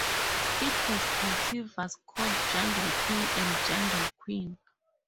It has cultivars called Jungle King and Jungle Queen.